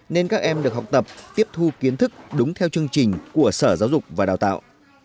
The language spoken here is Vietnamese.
nên các em được học tập tiếp thu kiến thức đúng theo chương trình của sở giáo dục và đào tạo